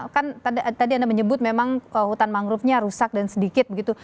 kan tadi anda menyebut memang hutan mangrovenya rusak dan sedikit begitu